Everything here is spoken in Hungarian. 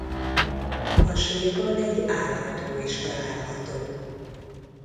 A sírban egy álajtó is található.